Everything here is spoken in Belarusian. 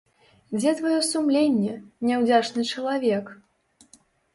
Дзе тваё сумленне, няўдзячны чалавек?